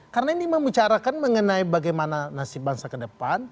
karena ini memang bicarakan mengenai bagaimana nasib bangsa kedepan